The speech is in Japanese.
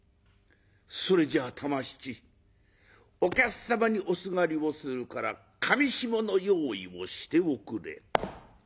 「それじゃあ玉七お客様におすがりをするから裃の用意をしておくれ」。